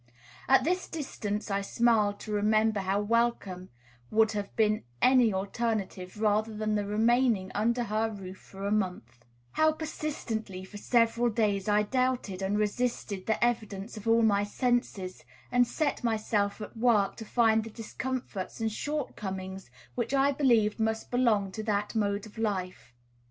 At this distance I smile to remember how welcome would have been any alternative rather than the remaining under her roof for a month; how persistently for several days I doubted and resisted the evidence of all my senses, and set myself at work to find the discomforts and shortcomings which I believed must belong to that mode of life.